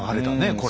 これ。